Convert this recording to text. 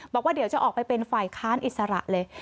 บอกว่าเดี๋ยวจะออกไปเป็นฝ่ายค้านอิสระเลย